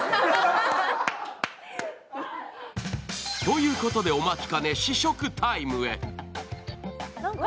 ということでお待ちかね試食タイムへ。